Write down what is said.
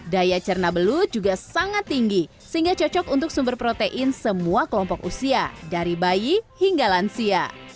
daya cerna belut juga sangat tinggi sehingga cocok untuk sumber protein semua kelompok usia dari bayi hingga lansia